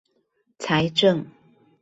財政